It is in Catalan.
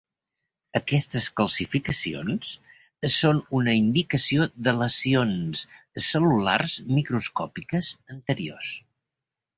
Aquestes calcificacions són una indicació de lesions cel·lulars microscòpiques anteriors.